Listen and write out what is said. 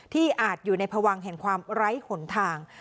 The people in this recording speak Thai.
อาจอยู่ในพวังแห่งความไร้หนทาง